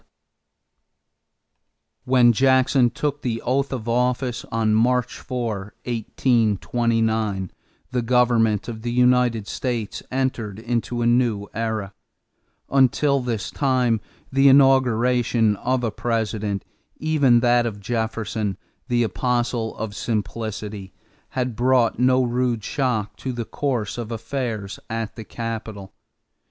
[Illustration: ANDREW JACKSON] When Jackson took the oath of office on March 4, 1829, the government of the United States entered into a new era. Until this time the inauguration of a President even that of Jefferson, the apostle of simplicity had brought no rude shock to the course of affairs at the capital.